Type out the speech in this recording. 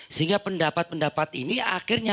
sehingga pendapat pendapat ini akhirnya